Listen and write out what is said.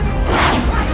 tidak ada gunanya